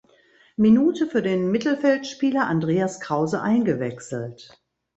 Minute für den Mittelfeldspieler Andreas Krause eingewechselt.